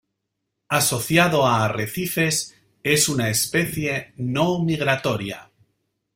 Asociado a arrecifes, es una especie no migratoria.